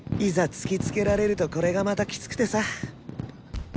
突きつけられるとこれがまたきつくてさ。